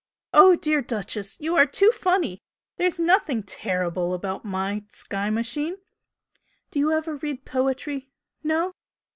Oh, dear 'Duchess,' you are too funny! There's nothing 'terrible' about MY 'sky machine!' Do you ever read poetry? No?